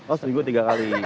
oh seminggu tiga kali